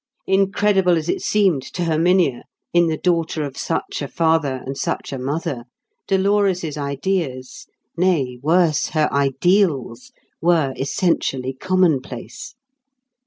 Incredible as it seemed to Herminia, in the daughter of such a father and such a mother, Dolores' ideas—nay, worse, her ideals—were essentially commonplace.